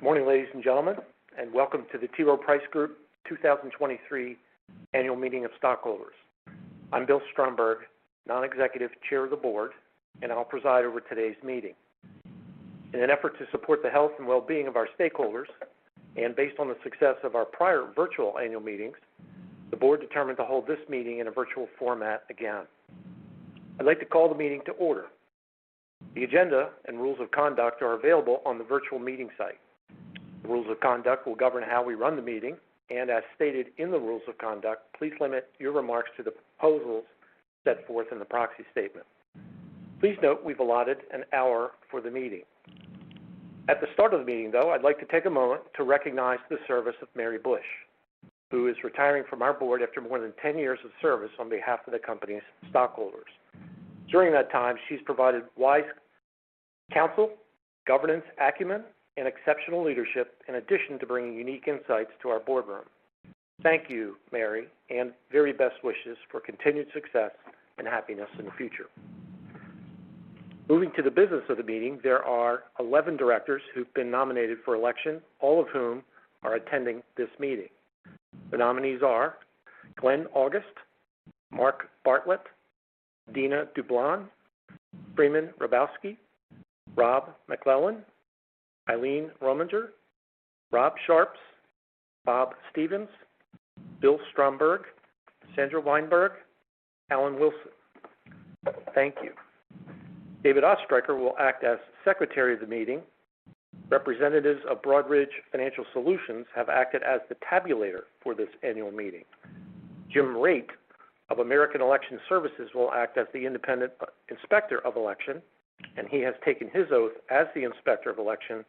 Morning, ladies and gentlemen, and welcome to the T. Rowe Price Group 2023 Annual Meeting of Stockholders. I'm Bill Stromberg, Non-Executive Chair of the Board, and I'll preside over today's meeting. In an effort to support the health and well-being of our stakeholders and based on the success of our prior virtual annual meetings, the board determined to hold this meeting in a virtual format again. I'd like to call the meeting to order. The agenda and rules of conduct are available on the virtual meeting site. The rules of conduct will govern how we run the meeting, and as stated in the rules of conduct, please limit your remarks to the proposals set forth in the proxy statement. Please note we've allotted an hour for the meeting. At the start of the meeting, though, I'd like to take a moment to recognize the service of Mary Bush, who is retiring from our board after more than 10 years of service on behalf of the company's stockholders. During that time, she's provided wise counsel, governance acumen, and exceptional leadership in addition to bringing unique insights to our board room. Thank you, Mary, and very best wishes for continued success and happiness in the future. Moving to the business of the meeting, there are 11 directors who've been nominated for election, all of whom are attending this meeting. The nominees are Glenn August, Mark Bartlett, Dina Dublon, Freeman Hrabowski, Rob MacLellan, Eileen Rominger, Rob Sharps, Bob Stevens, Bill Stromberg, Sandra Wijnberg, Alan Wilson. Thank you. David Ostreicher will act as secretary of the meeting. Representatives of Broadridge Financial Solutions have acted as the tabulator for this annual meeting. Jim Raitt of American Election Services will act as the independent inspector of election. He has taken his oath as the inspector of election,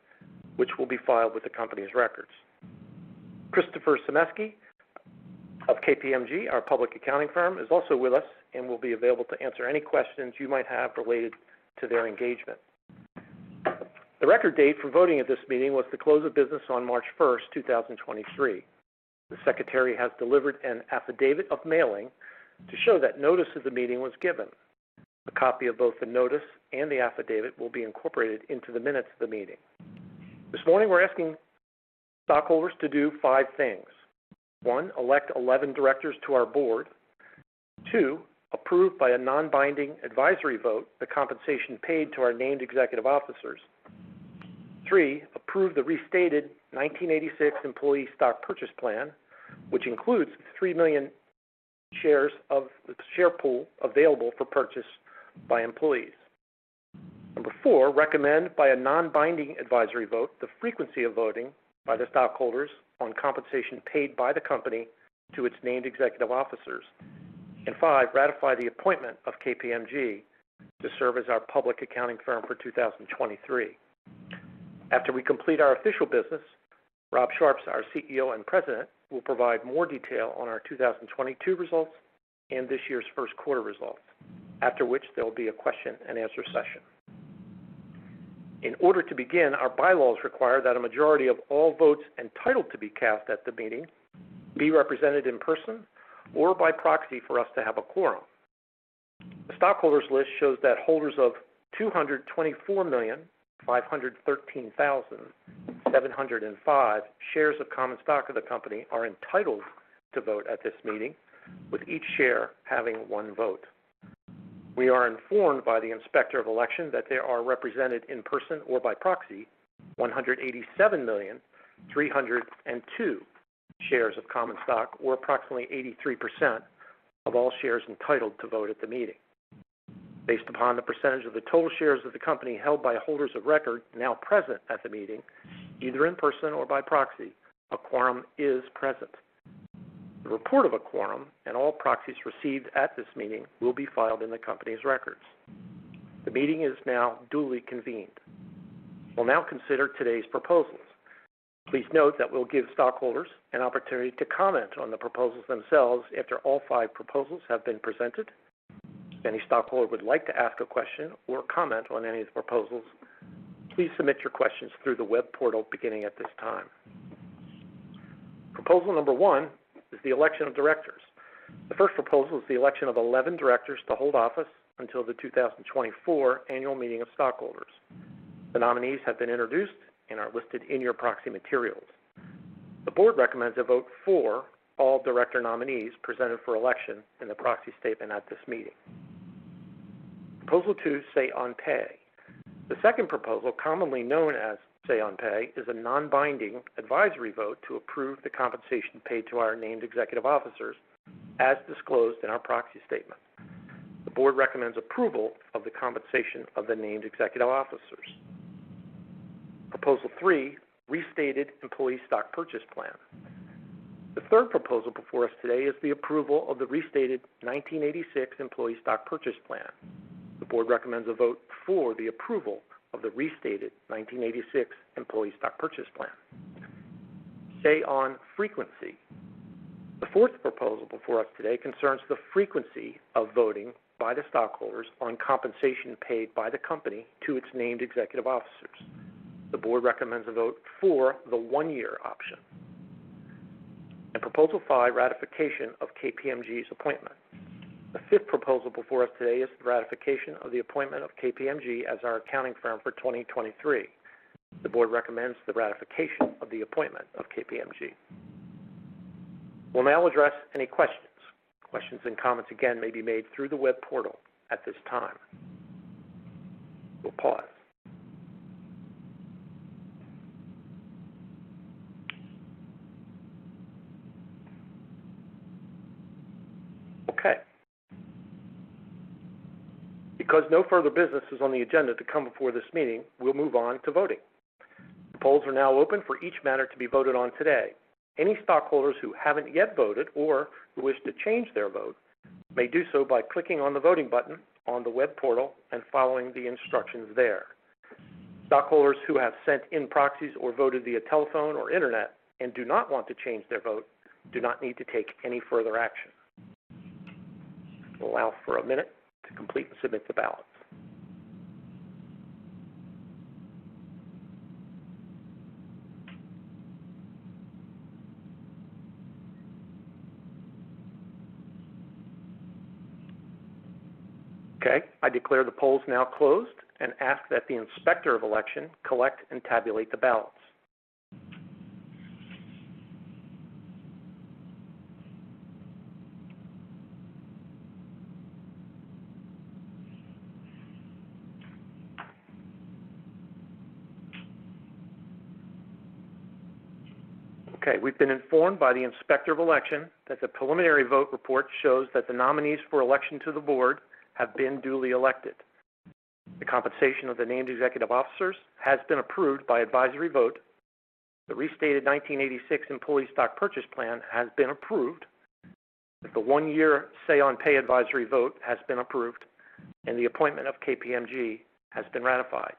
which will be filed with the company's records. Christopher Semesky of KPMG LLP, our public accounting firm, is also with us and will be available to answer any questions you might have related to their engagement. The record date for voting at this meeting was the close of business on March 1st, 2023. The secretary has delivered an affidavit of mailing to show that notice of the meeting was given. A copy of both the notice and the affidavit will be incorporated into the minutes of the meeting. This morning, we're asking stockholders to do 5 things. 1, elect 11 directors to our board. 2, approve by a non-binding advisory vote the compensation paid to our named executive officers. 3, approve the restated 1986 Employee Stock Purchase Plan, which includes 3 million shares of the share pool available for purchase by employees. 4, recommend by a non-binding advisory vote the frequency of voting by the stockholders on compensation paid by the company to its named executive officers. 5, ratify the appointment of KPMG to serve as our public accounting firm for 2023. After we complete our official business, Rob Sharps, our CEO and President, will provide more detail on our 2022 results and this year's first quarter results. After which, there will be a question and answer session. In order to begin, our bylaws require that a majority of all votes entitled to be cast at the meeting be represented in person or by proxy for us to have a quorum. The stockholders list shows that holders of 224,513,705 shares of common stock of the company are entitled to vote at this meeting with each share having one vote. We are informed by the inspector of election that they are represented in person or by proxy 187,000,302 shares of common stock, or approximately 83% of all shares entitled to vote at the meeting. Based upon the percentage of the total shares of the company held by holders of record now present at the meeting, either in person or by proxy, a quorum is present. The report of a quorum and all proxies received at this meeting will be filed in the company's records. The meeting is now duly convened. We'll now consider today's proposals. Please note that we'll give stockholders an opportunity to comment on the proposals themselves after all five proposals have been presented. If any stockholder would like to ask a question or comment on any of the proposals, please submit your questions through the web portal beginning at this time. Proposal number one is the election of directors. The first proposal is the election of 11 directors to hold office until the 2024 annual meeting of stockholders. The nominees have been introduced and are listed in your proxy materials. The board recommends a vote for all director nominees presented for election in the proxy statement at this meeting. Proposal two, say on pay. The second proposal, commonly known as say on pay, is a non-binding advisory vote to approve the compensation paid to our named executive officers as disclosed in our proxy statement. The board recommends approval of the compensation of the named executive officers. Proposal 3, restated Employee Stock Purchase Plan. The 3rd proposal before us today is the approval of the restated 1986 Employee Stock Purchase Plan. The board recommends a vote for the approval of the restated 1986 Employee Stock Purchase Plan. Say on frequency. The 4th proposal before us today concerns the frequency of voting by the stockholders on compensation paid by the company to its named executive officers. The board recommends a vote for the 1-year option. Proposal 5, ratification of KPMG's appointment. The 5th proposal before us today is the ratification of the appointment of KPMG as our accounting firm for 2023. The board recommends the ratification of the appointment of KPMG. We'll now address any questions. Questions and comments again may be made through the web portal at this time. We'll pause. Okay. Because no further business is on the agenda to come before this meeting, we'll move on to voting. The polls are now open for each matter to be voted on today. Any stockholders who haven't yet voted or who wish to change their vote may do so by clicking on the voting button on the web portal and following the instructions there. Stockholders who have sent in proxies or voted via telephone or internet and do not want to change their vote do not need to take any further action. Allow for a minute to complete and submit the ballots. Okay, I declare the polls now closed and ask that the Inspector of Election collect and tabulate the ballots. Okay, we've been informed by the Inspector of Election that the preliminary vote report shows that the nominees for election to the board have been duly elected. The compensation of the named executive officers has been approved by advisory vote. The restated 1986 Employee Stock Purchase Plan has been approved. The 1-year say on pay advisory vote has been approved, and the appointment of KPMG has been ratified.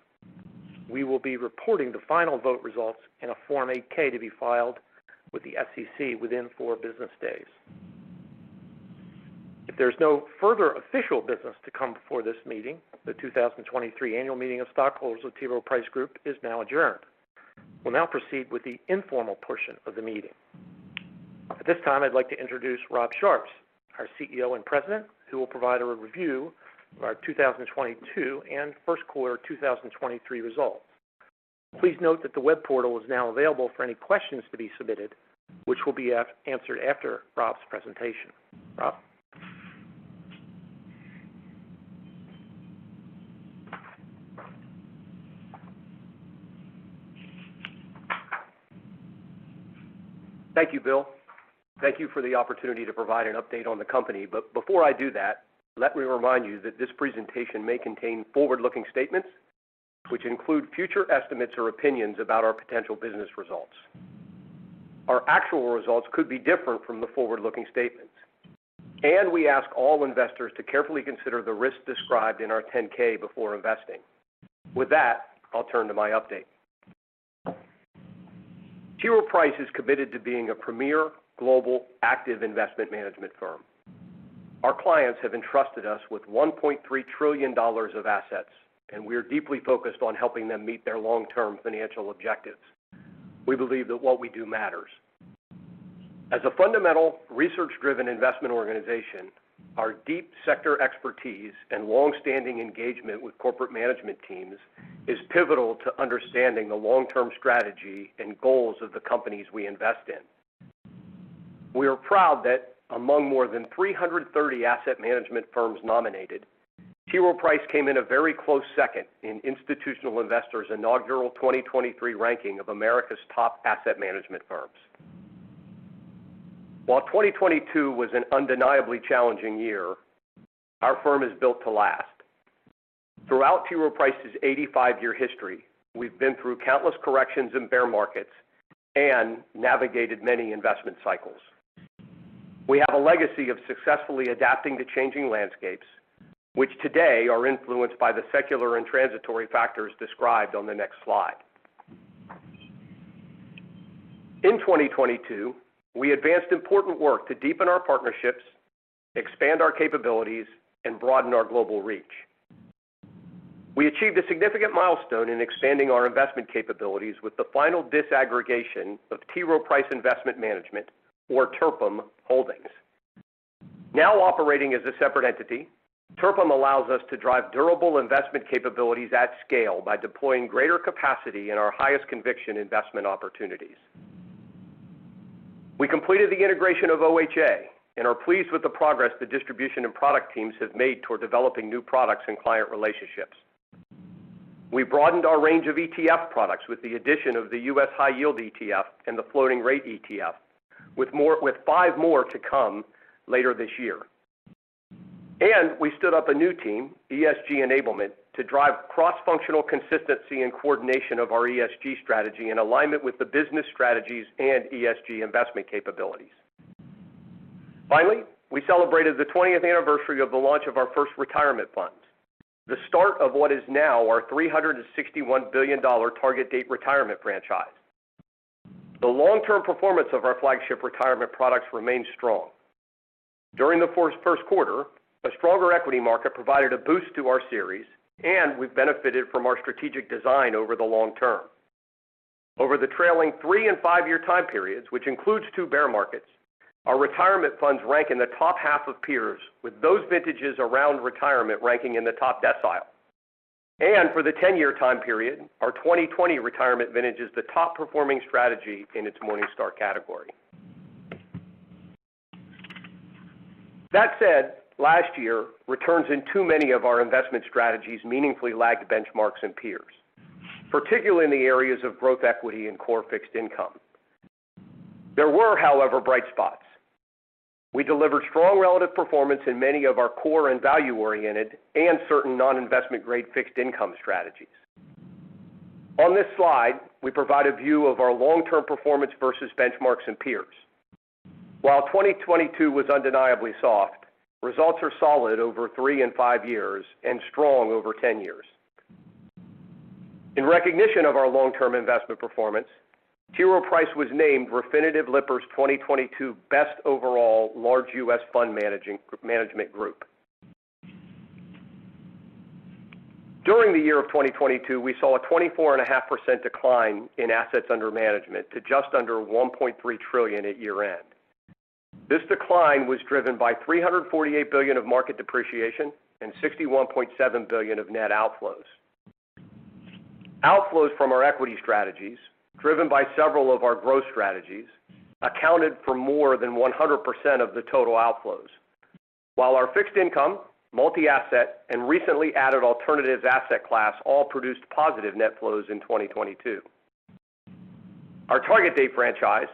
We will be reporting the final vote results in a Form 8-K to be filed with the SEC within 4 business days. If there's no further official business to come before this meeting, the 2023 annual meeting of stockholders with T. Rowe Price Group is now adjourned. We'll now proceed with the informal portion of the meeting. At this time, I'd like to introduce Rob Sharps, our CEO and President, who will provide a review of our 2022 and first quarter 2023 results. Please note that the web portal is now available for any questions to be submitted, which will be answered after Rob's presentation. Rob. Thank you, Bill. Thank you for the opportunity to provide an update on the company. Before I do that, let me remind you that this presentation may contain forward-looking statements, which include future estimates or opinions about our potential business results. Our actual results could be different from the forward-looking statements, we ask all investors to carefully consider the risks described in our 10-K before investing. With that, I'll turn to my update. T. Rowe Price is committed to being a premier global active investment management firm. Our clients have entrusted us with $1.3 trillion of assets, we are deeply focused on helping them meet their long-term financial objectives. We believe that what we do matters. As a fundamental research-driven investment organization, our deep sector expertise and long-standing engagement with corporate management teams is pivotal to understanding the long-term strategy and goals of the companies we invest in. We are proud that among more than 330 asset management firms nominated, T. Rowe Price came in a very close second in Institutional Investor's inaugural 2023 ranking of America's top asset management firms. While 2022 was an undeniably challenging year, our firm is built to last. Throughout T. Rowe Price's 85-year history, we've been through countless corrections in bear markets and navigated many investment cycles. We have a legacy of successfully adapting to changing landscapes, which today are influenced by the secular and transitory factors described on the next slide. In 2022, we advanced important work to deepen our partnerships, expand our capabilities, and broaden our global reach. We achieved a significant milestone in expanding our investment capabilities with the final disaggregation of T. Rowe Price Investment Management or TRPIM Holdings. Now operating as a separate entity, TRPIM allows us to drive durable investment capabilities at scale by deploying greater capacity in our highest conviction investment opportunities. We completed the integration of OHA and are pleased with the progress the distribution and product teams have made toward developing new products and client relationships. We broadened our range of ETF products with the addition of the U.S. High Yield ETF and the Floating Rate ETF. With 5 more to come later this year. We stood up a new team, ESG Enablement, to drive cross-functional consistency and coordination of our ESG strategy in alignment with the business strategies and ESG investment capabilities. Finally, we celebrated the twentieth anniversary of the launch of our first retirement funds, the start of what is now our $361 billion target date retirement franchise. The long-term performance of our flagship retirement products remains strong. During the first quarter, a stronger equity market provided a boost to our series, we've benefited from our strategic design over the long term. Over the trailing 3- and 5-year time periods, which includes two bear markets, our retirement funds rank in the top half of peers, with those vintages around retirement ranking in the top decile. For the 10-year time period, our 2020 retirement vintage is the top-performing strategy in its Morningstar category. That said, last year, returns in too many of our investment strategies meaningfully lagged benchmarks and peers, particularly in the areas of growth equity and core fixed income. There were, however, bright spots. We delivered strong relative performance in many of our core and value-oriented and certain non-investment grade fixed income strategies. On this slide, we provide a view of our long-term performance versus benchmarks and peers. While 2022 was undeniably soft, results are solid over 3 and 5 years and strong over 10 years. In recognition of our long-term investment performance, T. Rowe Price was named Refinitiv Lipper's 2022 Best Overall Large US Fund Management Group. During the year of 2022, we saw a 24.5% decline in assets under management to just under $1.3 trillion at year-end. This decline was driven by $348 billion of market depreciation and $61.7 billion of net outflows. Outflows from our equity strategies, driven by several of our growth strategies, accounted for more than 100% of the total outflows. Our fixed income, multi-asset, and recently added alternatives asset class all produced positive net flows in 2022. Our target date franchise,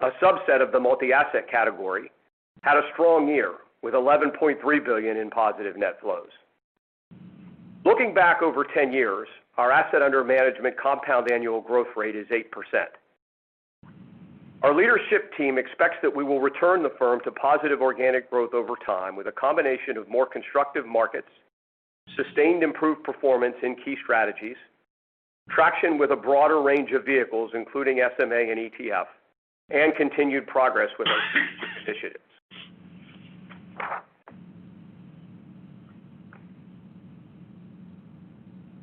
a subset of the multi-asset category, had a strong year, with $11.3 billion in positive net flows. Looking back over 10 years, our asset under management compound annual growth rate is 8%. Our leadership team expects that we will return the firm to positive organic growth over time with a combination of more constructive markets, sustained improved performance in key strategies, traction with a broader range of vehicles, including SMA and ETF, and continued progress with our strategic initiatives.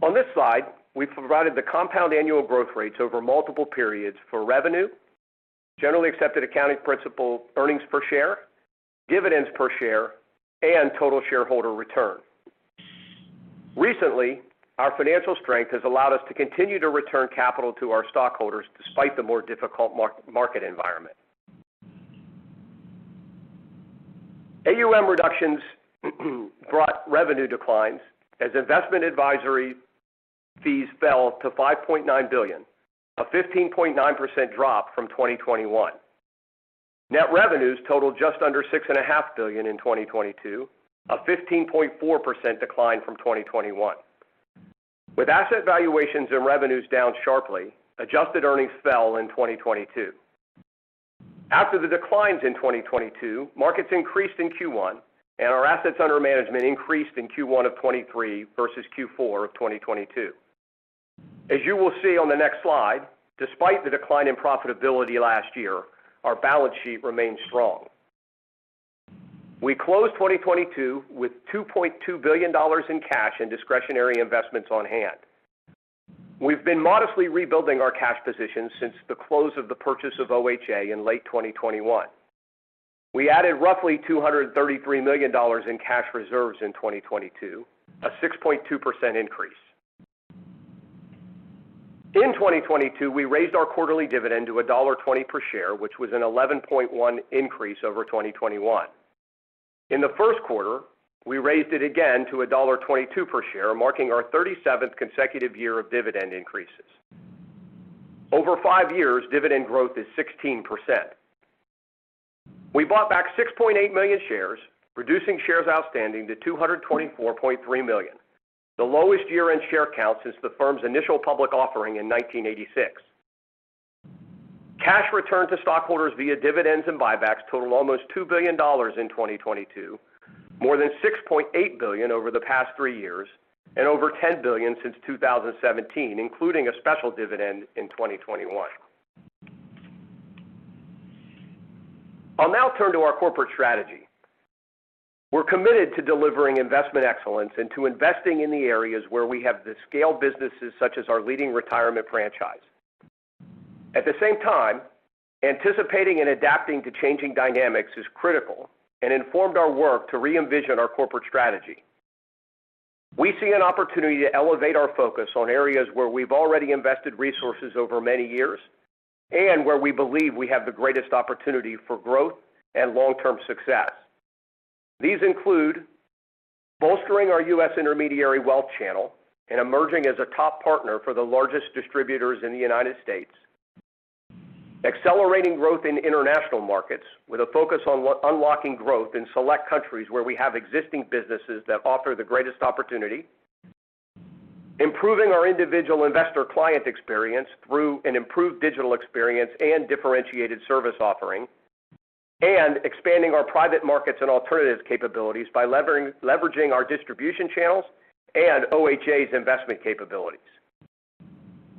On this slide, we've provided the compound annual growth rates over multiple periods for revenue, generally accepted accounting principle earnings per share, dividends per share, and total shareholder return. Recently, our financial strength has allowed us to continue to return capital to our stockholders despite the more difficult market environment. AUM reductions brought revenue declines as investment advisory fees fell to $5.9 billion, a 15.9% drop from 2021. Net revenues totaled just under $6.5 billion in 2022, a 15.4% decline from 2021. With asset valuations and revenues down sharply, adjusted earnings fell in 2022. After the declines in 2022, markets increased in Q1, and our assets under management increased in Q1 of 2023 versus Q4 of 2022. As you will see on the next slide, despite the decline in profitability last year, our balance sheet remains strong. We closed 2022 with $2.2 billion in cash and discretionary investments on hand. We've been modestly rebuilding our cash position since the close of the purchase of OHA in late 2021. We added roughly $233 million in cash reserves in 2022, a 6.2% increase. In 2022, we raised our quarterly dividend to $1.20 per share, which was an 11.1% increase over 2021. In the first quarter, we raised it again to $1.22 per share, marking our 37th consecutive year of dividend increases. Over 5 years, dividend growth is 16%. We bought back 6.8 million shares, reducing shares outstanding to 224.3 million, the lowest year-end share count since the firm's initial public offering in 1986. Cash returned to stockholders via dividends and buybacks totaled almost $2 billion in 2022, more than $6.8 billion over the past three years and over $10 billion since 2017, including a special dividend in 2021. I'll now turn to our corporate strategy. We're committed to delivering investment excellence and to investing in the areas where we have the scale businesses such as our leading retirement franchise. At the same time, anticipating and adapting to changing dynamics is critical and informed our work to re-envision our corporate strategy. We see an opportunity to elevate our focus on areas where we've already invested resources over many years and where we believe we have the greatest opportunity for growth and long-term success. These include bolstering our U.S. intermediary wealth channel and emerging as a top partner for the largest distributors in the United States. Accelerating growth in international markets with a focus on unlocking growth in select countries where we have existing businesses that offer the greatest opportunity. Improving our individual investor client experience through an improved digital experience and differentiated service offering. Expanding our private markets and alternatives capabilities by leveraging our distribution channels and OHA's investment capabilities.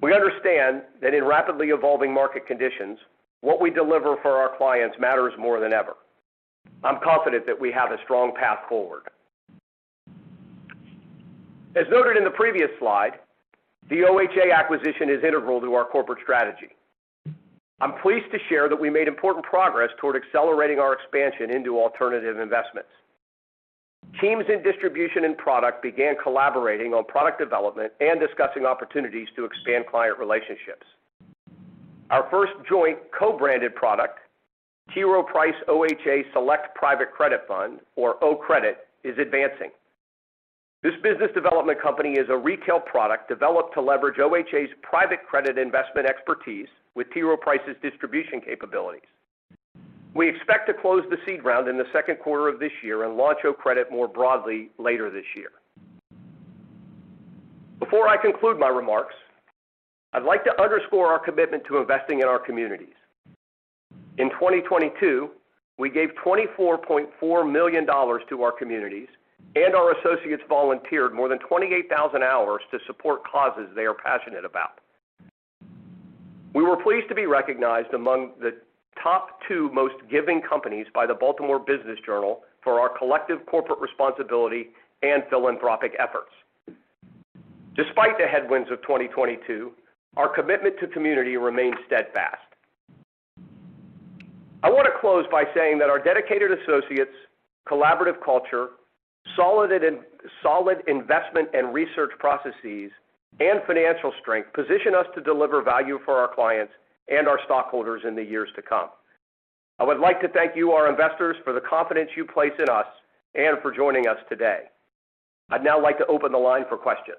We understand that in rapidly evolving market conditions, what we deliver for our clients matters more than ever. I'm confident that we have a strong path forward. As noted in the previous slide, the OHA acquisition is integral to our corporate strategy. I'm pleased to share that we made important progress toward accelerating our expansion into alternative investments. Teams in distribution and product began collaborating on product development and discussing opportunities to expand client relationships. Our first joint co-branded product, T. Rowe Price OHA Select Private Credit Fund or OCREDIT, is advancing. This business development company is a retail product developed to leverage OHA's private credit investment expertise with T. Rowe Price's distribution capabilities. We expect to close the seed round in the second quarter of this year and launch OCREDIT more broadly later this year. Before I conclude my remarks, I'd like to underscore our commitment to investing in our communities. In 2022, we gave $24.4 million to our communities, and our associates volunteered more than 28,000 hours to support causes they are passionate about. We were pleased to be recognized among the top two most giving companies by the Baltimore Business Journal for our collective corporate responsibility and philanthropic efforts. Despite the headwinds of 2022, our commitment to community remains steadfast. I want to close by saying that our dedicated associates, collaborative culture, solid investment, and research processes, and financial strength position us to deliver value for our clients and our stockholders in the years to come. I would like to thank you, our investors, for the confidence you place in us and for joining us today. I'd now like to open the line for questions.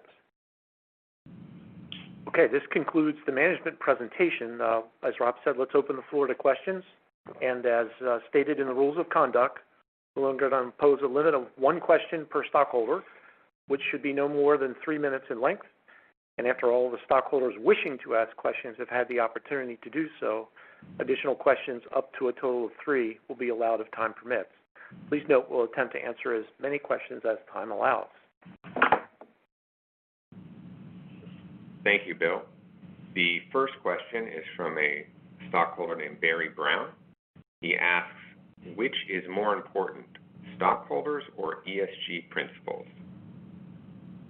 Okay. This concludes the management presentation. As Rob said, let's open the floor to questions. As stated in the rules of conduct, we're only gonna impose a limit of one question per stockholder, which should be no more than three minutes in length. After all of the stockholders wishing to ask questions have had the opportunity to do so, additional questions up to a total of three will be allowed of time permits. Please note we'll attempt to answer as many questions as time allows. Thank you, Bill. The first question is from a stockholder named Barry Brown. He asks, "Which is more important, stockholders or ESG principles?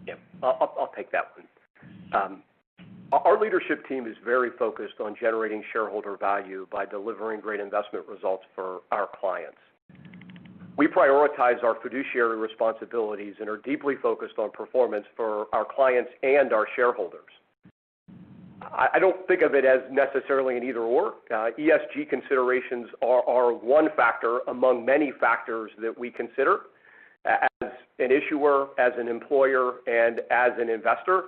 Yeah. I'll take that one. Our leadership team is very focused on generating shareholder value by delivering great investment results for our clients. We prioritize our fiduciary responsibilities and are deeply focused on performance for our clients and our shareholders. I don't think of it as necessarily an either/or. ESG considerations are one factor among many factors that we consider as an issuer, as an employer, and as an investor.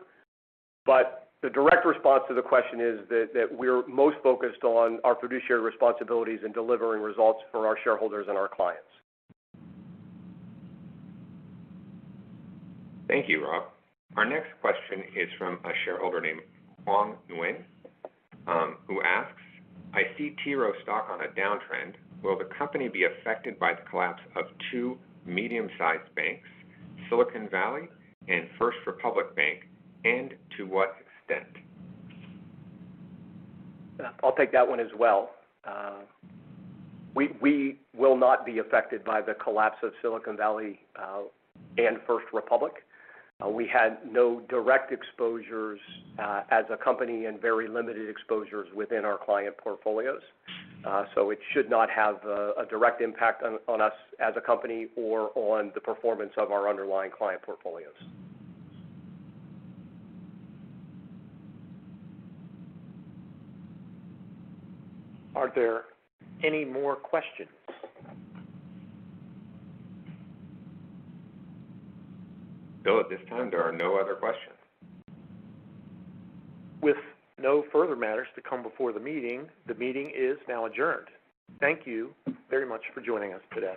The direct response to the question is that we're most focused on our fiduciary responsibilities in delivering results for our shareholders and our clients. Thank you, Rob. Our next question is from a shareholder named Huang Nguyen, who asks, "I see T. Rowe stock on a downtrend. Will the company be affected by the collapse of two medium-sized banks, Silicon Valley Bank and First Republic Bank, and to what extent? I'll take that one as well. We will not be affected by the collapse of Silicon Valley Bank and First Republic. We had no direct exposures as a company and very limited exposures within our client portfolios. It should not have a direct impact on us as a company or on the performance of our underlying client portfolios. Are there any more questions? Bill, at this time, there are no other questions. With no further matters to come before the meeting, the meeting is now adjourned. Thank you very much for joining us today.